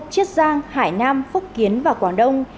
chiết giang hải nam phúc kiến và quảng đông